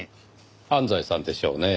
安西さんでしょうねぇ。